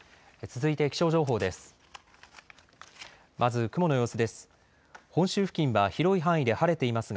続いて気象情報です。